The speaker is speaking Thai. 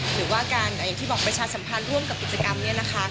หรือว่าการอย่างที่บอกประชาสัมพันธ์ร่วมกับกิจกรรมนี้นะคะ